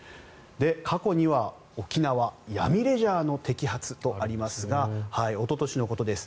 過去には沖縄闇レジャーの摘発とありますがおととしのことです。